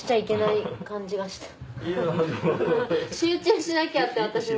集中しなきゃって私も。